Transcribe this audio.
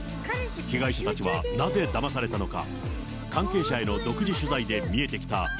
被害者たちはなぜだまされたのか。